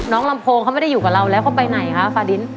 ลำโพงเขาไม่ได้อยู่กับเราแล้วเขาไปไหนคะฟาดิน